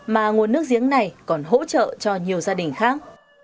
mà nguồn nước giếng này còn hỗ trợ cho nhiều gia đình khác